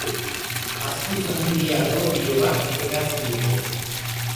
Azpifamilia propio bat eratzen dute.